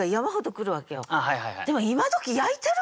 でも今どき焼いてる？